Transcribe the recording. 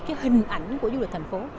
cái hình ảnh của du lịch thành phố